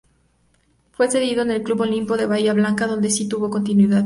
Fue cedido a el Club Olimpo de Bahía Blanca, donde sí tuvo continuidad.